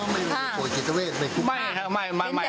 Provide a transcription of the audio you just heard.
ไม่นะครับ